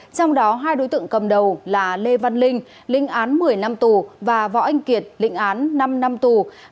trong đó hai đối tượng cầm đầu là lê văn linh linh án một mươi năm tù và võ anh kiệt lịnh án năm năm tù